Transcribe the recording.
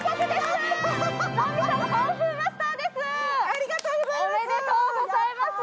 ありがとうございます。